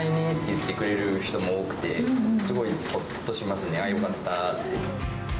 いつも変わらないねって言ってくれる人も多くて、すごいほっとしますね、ああ、よかったって。